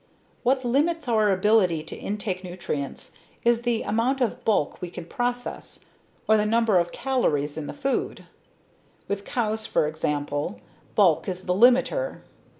What limits our ability to intake nutrients is the amount of bulk we can process or the number of calories in the food. With cows, for example, bulk is the limiter.